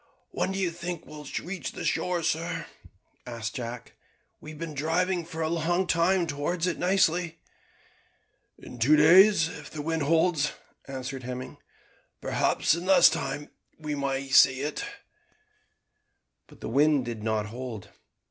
"When do you think we shall reach the shore, sir?" asked Jack. "We have been driving for a long time towards it nicely." "In two days if the wind holds," answered Hemming; "perhaps in less time we may sight it." But the wind did not hold.